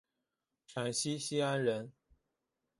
陕西西安人。